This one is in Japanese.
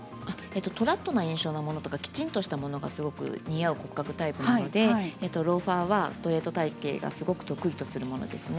フラットな印象できちっとしたものが似合う骨格タイプなのでローファーはストレート体形が得意とするものです。